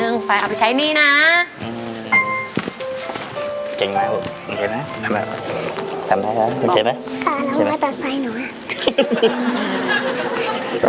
อืมเก่งแล้วโอเคไหมอืมจำได้แล้วโอเคไหมค่ะแล้วก็จะใส่หนูอ่ะ